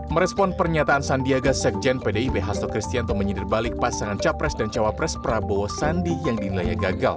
merespon pernyataan sandiaga sekjen pdib hasto kristianto menyederbalik pasangan capres dan cawapres prabowo sandi yang dinilainya gagal